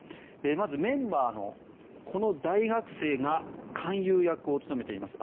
まず、メンバーのこの大学生が勧誘役を務めています。